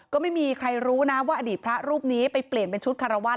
ก็ไม่มีใครรู้นะว่าอดีตพระรูปนี้ไปเปลี่ยนเป็นชุดคารวาส